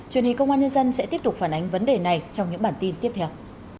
truyền hình công an nhân dân sẽ tiếp tục phản ánh vấn đề này trong những bản tin tiếp theo